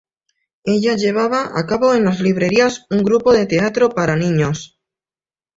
Ella llevaba a cabo en las librerías un grupo de teatro para niños.